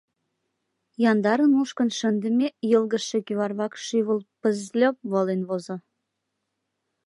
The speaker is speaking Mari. Яндарын мушкын шындыме, йылгыжше кӱварвак шӱвыл пызльоп! волен возо.